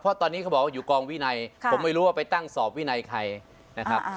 เพราะตอนนี้เขาบอกว่าอยู่กองวินัยผมไม่รู้ว่าไปตั้งสอบวินัยใครนะครับ